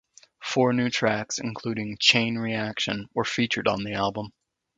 Four new tracks including "Chain Reaction" were featured on the album.